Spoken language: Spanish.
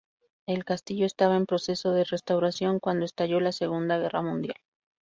El castillo estaba en proceso de restauración cuando estalló la Segunda Guerra Mundial.